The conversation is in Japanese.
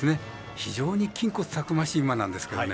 非常に筋骨たくましい馬なんですけどね